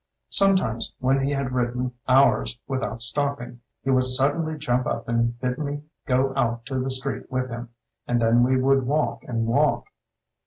Sometimes when he had written hours without stop ping, he would suddenly jump up and bid me go out to the street with him; and then we would walk and walk.